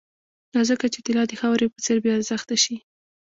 دا ځکه چې طلا د خاورې په څېر بې ارزښته شي